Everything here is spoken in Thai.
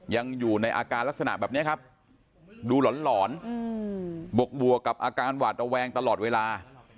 ยังอยู่ในอาการลักษณะแบบนี้ครับดูหลอนบวกกับอาการหวาดระแวงตลอดเวลา